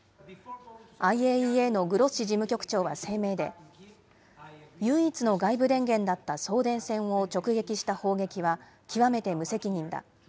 ＩＡＥＡのグロッシ事務局長は声明で、唯一の外部電源だった送電線を直撃した砲撃は、極めて無責任だ。